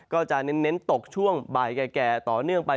ก็จะเน้นตกช่วงบ่ายแก่ต่อเนื่องไป